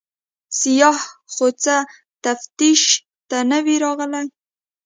سیاح خو څه تفتیش ته نه وي راغلی.